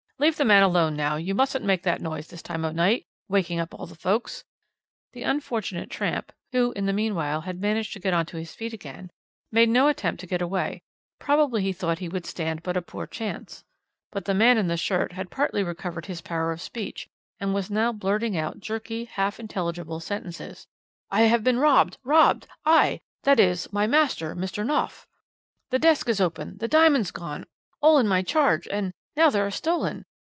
'Leave the man alone now, you mustn't make that noise this time o' night, wakin' up all the folks.' The unfortunate tramp, who in the meanwhile had managed to get onto his feet again, made no attempt to get away; probably he thought he would stand but a poor chance. But the man in the shirt had partly recovered his power of speech, and was now blurting out jerky, half intelligible sentences: "'I have been robbed robbed I that is my master Mr. Knopf. The desk is open the diamonds gone all in my charge and now they are stolen!